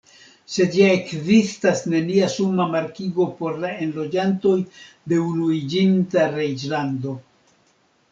Sed ja ekzistas nenia suma markigo por la enloĝantoj de Unuiĝinta Reĝlando.